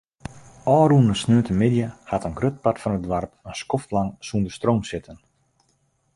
Ofrûne sneontemiddei hat in grut part fan it doarp in skoftlang sûnder stroom sitten.